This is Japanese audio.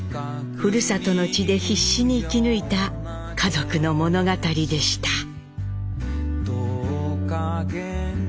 ふるさとの地で必死に生き抜いた家族の物語でした。